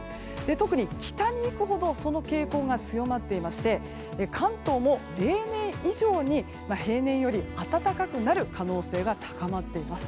特に北に行くほどその傾向が強まっていまして関東も例年以上に例年より暖かくなる可能性が高まっています。